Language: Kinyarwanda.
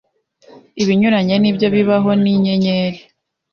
Ibinyuranye nibyo bibaho ni inyenyeri.